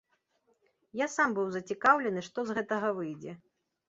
Я сам быў зацікаўлены, што з гэтага выйдзе.